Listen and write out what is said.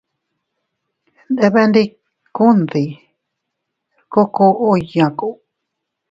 Nndebenndikun dii kookoy yaaku.